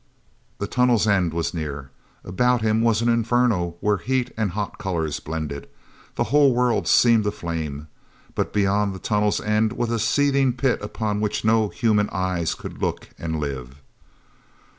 The tunnel's end was near. About him was an inferno where heat and hot colors blended. The whole world seemed aflame, but beyond the tunnel's end was a seething pit upon which no human eyes could look and live.